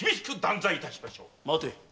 待て！